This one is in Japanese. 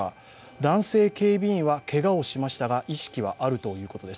男性警備員はけがをしましたが、意識はあるということです。